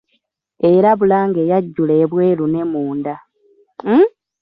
Era Bulange yajjula ebweru ne munda.